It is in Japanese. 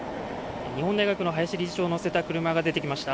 日本大学の林理事長を乗せた車が出てきました